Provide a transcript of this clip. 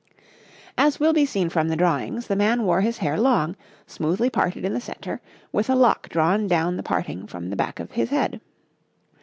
] As will be seen from the drawings, the man wore his hair long, smoothly parted in the centre, with a lock drawn down the parting from the back of his head.